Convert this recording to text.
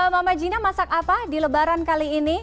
mama gina masak apa di lebaran kali ini